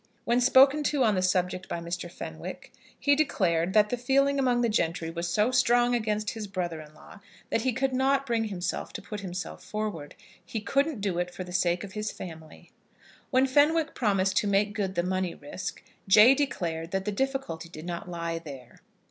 When spoken to on the subject by Mr. Fenwick, he declared that the feeling among the gentry was so strong against his brother in law, that he could not bring himself to put himself forward. He couldn't do it for the sake of his family. When Fenwick promised to make good the money risk, Jay declared that the difficulty did not lie there.